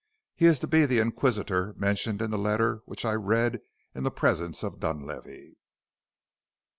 He is to be the inquisitor mentioned in the letter which I read in the presence of Dunlavey."